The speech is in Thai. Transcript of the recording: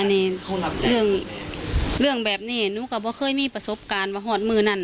อันนี้เรื่องแบบนี้นุกกับว่าเคยมีประสบการณ์ว่าหอดมือนั่น